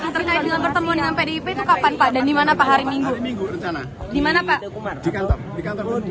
pertemuan dengan pdip itu kapan pak dan dimana pak hari minggu